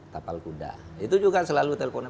tapal kuda itu juga selalu telpon